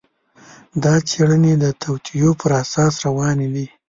دا څېړنې د توطیو پر اساس روانې دي.